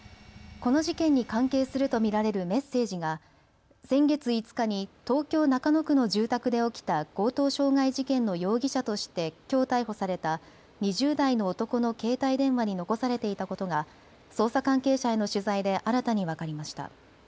この事件に関係すると見られるメッセージが先月５日に東京中野区の住宅で起きた強盗傷害事件の容疑者としてきょう逮捕された２０代の男の携帯電話に残されていたことが捜査関係者への取材で新たに分かりました。